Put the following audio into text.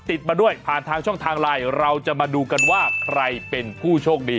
ติดมาด้วยผ่านทางช่องทางไลน์เราจะมาดูกันว่าใครเป็นผู้โชคดี